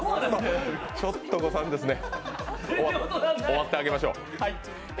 ちょっと誤算ですね。